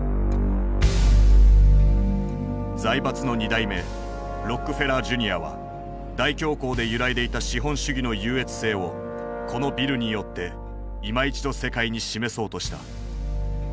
財閥の２代目ロックフェラー・ジュニアは大恐慌で揺らいでいた資本主義の優越性をこのビルによっていま一度世界に示そうとした。